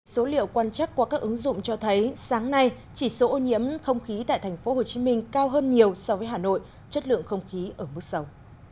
số liệu quan trắc qua các ứng dụng cho thấy sáng nay chỉ số ô nhiễm không khí tại tp hcm cao hơn nhiều so với hà nội chất lượng không khí ở mức sâu